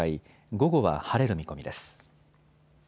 午後は晴れる見込みです。